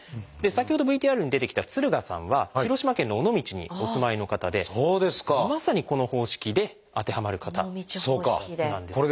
先ほどＶＴＲに出てきた敦賀さんは広島県の尾道にお住まいの方でまさにこの方式で当てはまる方なんです。